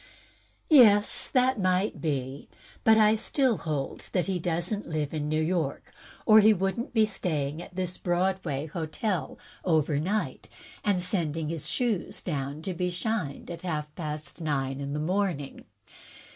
"Yes, that might be. But I still hold that he doesn't live in New York, or he could n't be sta5mig at this Broadway hotel over night, and sending his shoes down to be shined at half past nine in the morning.